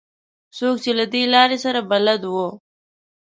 څوک چې له دې لارې سره بلد وو.